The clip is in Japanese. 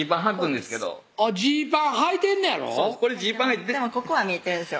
でもここは見えてるんですよ